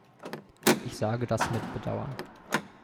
Ich sage das mit Bedauern.